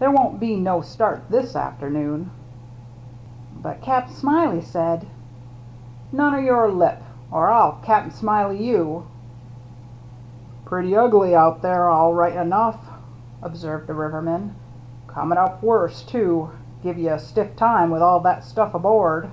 There won't be no start this afternoon." DICK AND HIS MERRT ANNE 19 "But Cap' Smiley said —"" None o' your lip, or Y\\ Cap* Smiley you." " Pretty ugly, out there, all right enough," observed a riverman. " Comin' up worse, too. Give you a stiff time with all that stuff aboard."